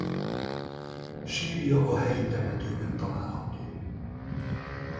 Sírja a helyi temetőben található.